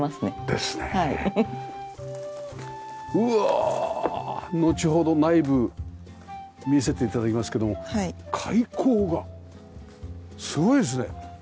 うわのちほど内部見せて頂きますけども開口がすごいですね。